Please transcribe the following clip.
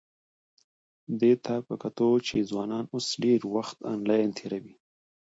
دې ته په کتو چې ځوانان اوس ډېر وخت انلاین تېروي،